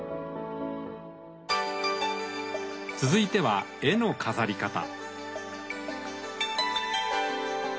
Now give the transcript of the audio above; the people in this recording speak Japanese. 続いては絵の飾り方。